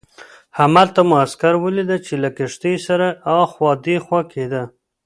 همالته مو عسکر ولید چې له کښتۍ سره اخوا دیخوا کېده.